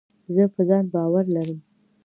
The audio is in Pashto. زه په ځان باور لرم.